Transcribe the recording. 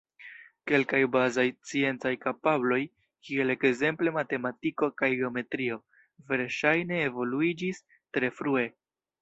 Kelkaj bazaj sciencaj kapabloj, kiel ekzemple matematiko kaj geometrio, verŝajne evoluiĝis tre frue.